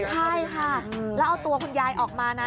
ใช่ค่ะแล้วเอาตัวคุณยายออกมานะ